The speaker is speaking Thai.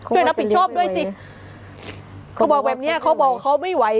ช่วยรับผิดชอบด้วยสิเขาบอกแบบเนี้ยเขาบอกเขาไม่ไหว